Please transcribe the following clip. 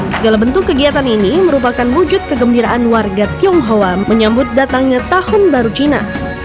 segala bentuk kegiatan ini merupakan wujud kegembiraan warga tionghoa menyambut datangnya tahun baru cina